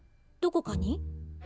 どこかに？」。